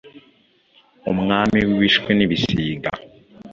umwami w’ibishwi n’ibisiga !